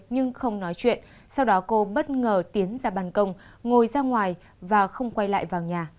nhưng không nói chuyện sau đó cô bất ngờ tiến ra bàn công ngồi ra ngoài và không quay lại vào nhà